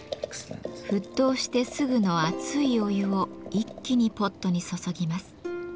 沸騰してすぐの熱いお湯を一気にポットに注ぎます。